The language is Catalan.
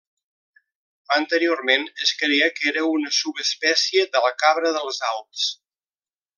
Anteriorment es creia que era una subespècie de la cabra dels Alps.